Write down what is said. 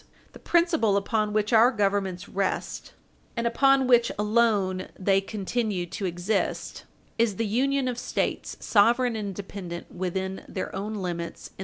The principle upon which our Governments rest and upon which alone they continue to exist, is the union of States, sovereign and independent within their own limits in Page 60 U.